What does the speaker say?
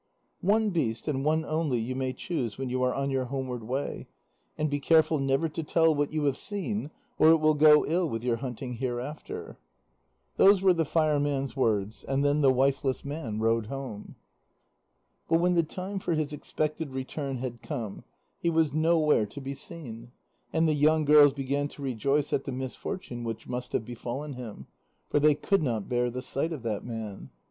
"One beast and one only you may choose when you are on your homeward way. And be careful never to tell what you have seen, or it will go ill with your hunting hereafter." Those were the Fire Man's words. And then the wifeless man rowed home. But when the time for his expected return had come, he was nowhere to be seen, and the young girls began to rejoice at the misfortune which must have befallen him. For they could not bear the sight of that man.